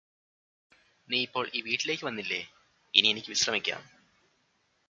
നീയിപ്പോൾ ഈ വീട്ടിലേക്ക് വന്നില്ലേ ഇനിയെനിക്ക് വിശ്രമിക്കാം